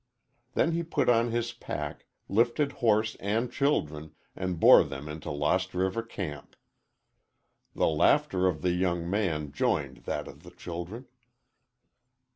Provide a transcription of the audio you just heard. Then he put on his pack, lifted horse and children, and bore them into Lost River camp. The laughter of the young man joined that of the children.